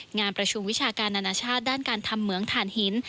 งานประชุมวิชาการนานาชาติด้านการทำเหมืองฐานหิน